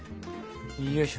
よいしょ。